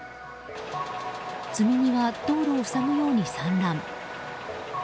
積み荷は道路を塞ぐように散乱。